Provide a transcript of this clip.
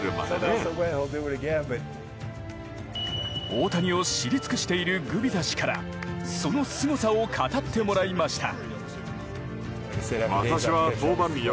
大谷を知り尽くしているグビザ氏からそのすごさを語ってもらいました。